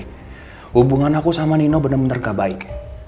hubungan aku sama nino bener bener gak baik